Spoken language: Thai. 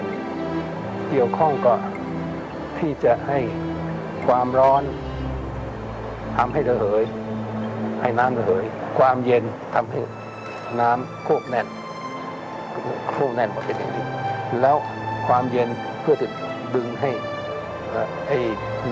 โรงพยาบาลวิทยาลัยโรงพยาบาลวิทยาลัยโรงพยาบาลวิทยาลัยโรงพยาบาลวิทยาลัยโรงพยาบาลวิทยาลัยโรงพยาบาลวิทยาลัยโรงพยาบาลวิทยาลัยโรงพยาบาลวิทยาลัยโรงพยาบาลวิทยาลัยโรงพยาบาลวิทยาลัยโรงพยาบาลวิทยาลัยโรงพยาบาลวิทยาลัยโรงพย